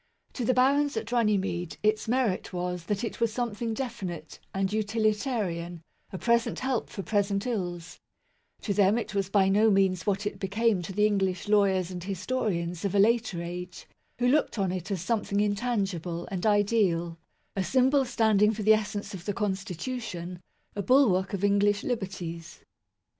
To the barons at Runnymede its merit was that it was something definite and utilitarian a present help for present ills To them, it was by no means what it became to the English lawyers and historians of a later age, who looked on it as something intangible and ideal, a symbol standing for the essence of the Constitution, a bulwark of English liberties.